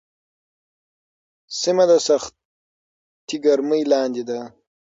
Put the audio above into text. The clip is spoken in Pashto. سیمه د سختې ګرمۍ لاندې ده.